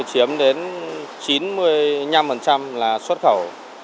chiếm đến chín mươi năm là xuất khẩu